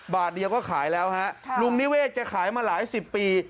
บาทเดียวก็ขายแล้วฮะลุงนิเวศแกขายมาหลายสิบปี